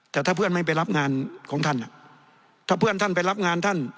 แต่ถ้าเพื่อนไม่ไปรับงานของท่านถ้าเพื่อนท่านไปรับงานท่าน